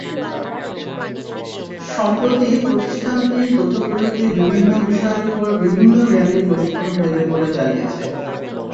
সম্প্রতি প্রতিষ্ঠানটি তথ্যপ্রযুক্তির বিভিন্ন বিষয়ের ওপর বিভিন্ন মেয়াদি প্রশিক্ষণ দেবে বলে জানিয়েছে।